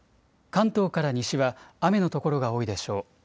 関東から西は雨の所が多いでしょう。